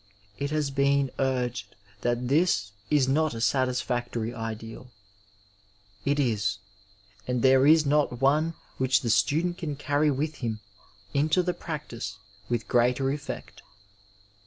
It has been urged that this is not a satisfactory ideal. It is; and there is not one which the student can carry with him into prac tice with greater effect.